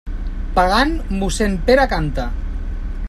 Pagant, mossén Pere canta.